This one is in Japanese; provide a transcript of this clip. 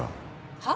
はっ？